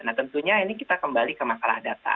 nah tentunya ini kita kembali ke masalah data